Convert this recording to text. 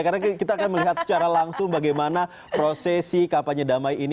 karena kita akan melihat secara langsung bagaimana prosesi kapanya damai ini